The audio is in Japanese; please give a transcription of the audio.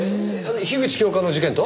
樋口教官の事件と？